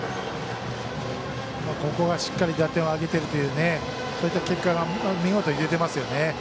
ここはしっかり打点を挙げているというそういった結果が見事に出てますよね。